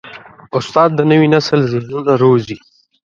استاد د نوي نسل ذهنونه روزي.